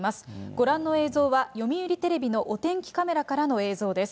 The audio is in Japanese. ご覧の映像は、読売テレビのお天気カメラからの映像です。